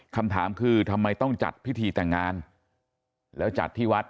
คำถามคือทำไมต้องจัดพิธีแต่งงานแล้วจัดที่วัด